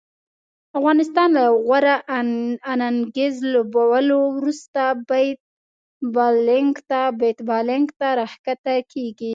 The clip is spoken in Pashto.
افغانستان له یو غوره اننګز لوبولو وروسته بیت بالینګ ته راښکته کیږي